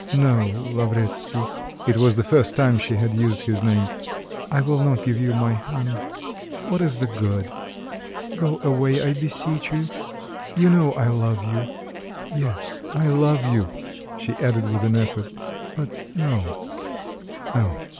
"No, Lavretsky (it was the first time she had used this name), I will not give you my hand. What is the good? Go away, I beseech you. You know I love you... yes, I love you," she added with an effort; "but no... no."